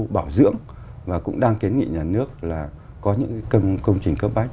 bảo dưỡng và cũng đang kiến nghị nhà nước là có những công trình cấp bách